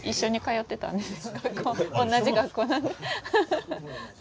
同じ学校なので。